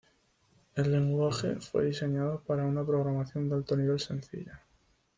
El lenguaje fue diseñado para una programación de alto nivel sencilla.